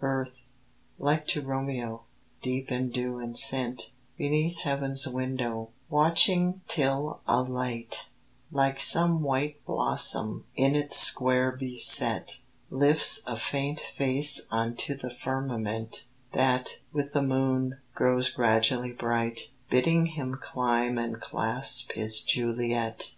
Earth, like to Romeo, deep in dew and scent, Beneath Heaven's window, watching till a light, Like some white blossom, in its square be set, Lifts a faint face unto the firmament, That, with the moon, grows gradually bright, Bidding him climb and clasp his Juliet.